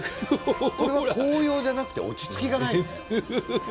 これは高揚じゃなくて落ち着きがないよね。